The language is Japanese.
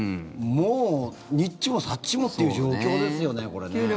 もう、にっちもさっちもっていう状況ですよね、これね。